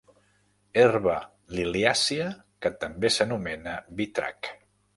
Herba liliàcia que també s'anomena vitrac.